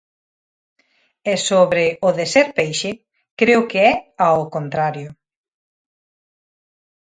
E sobre o de ser peixe, creo que é ao contrario.